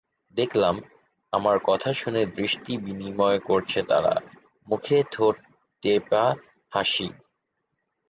দেখলাম, আমার কথা শুনে দৃষ্টি বিনিময় করছে তারা, মুখে ঠোঁটটেপা হাসি।